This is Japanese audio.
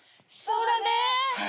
そうだね。